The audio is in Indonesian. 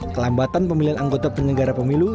kelambatan pemilihan anggota penyelenggara pemilu